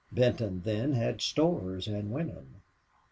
Benton, then, had stores and women.